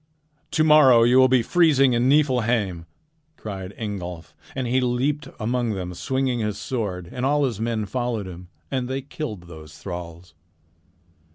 "To morrow you will be freezing in Niflheim," cried Ingolf, and he leaped among them swinging his sword, and all his men followed him, and they killed those thralls.